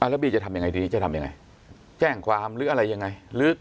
แล้วบีจะทำอย่างไรทีนี้จะทำอย่างไรแจ้งความหรืออะไรอย่างไร